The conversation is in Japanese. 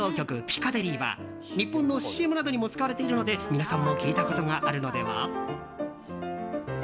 「ピカデリー」は日本のＣＭなどにも使われているので皆さんも聞いたことがあるのでは？